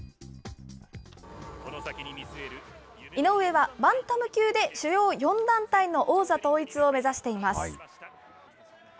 井上はバンタム級で主要４団体の王座統一を目指しています。